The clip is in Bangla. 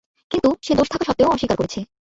কিন্তু, সে দোষ থাকা সত্ত্বেও অস্বীকার করেছে।